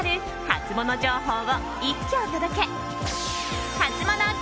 ハツモノ情報を一挙お届け。